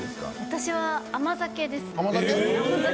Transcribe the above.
私は甘酒です。